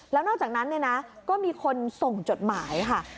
แล้วนอกจากนั้นเนี่ยนะก็มีคนส่งจดหมายค่ะ